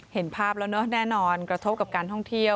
เห็นภาพแล้วเนอะแน่นอนกระทบกับการท่องเที่ยว